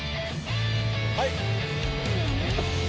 はい。